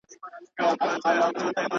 د ماشومتوب او د بنګړیو وطن.